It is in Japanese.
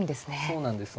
そうなんです。